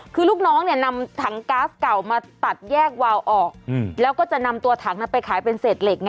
คือลูกน้องเนี่ยนำถังก๊าซเก่ามาตัดแยกวาวออกแล้วก็จะนำตัวถังไปขายเป็นเศษเหล็กไง